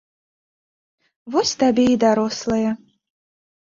Вось табе і дарослая!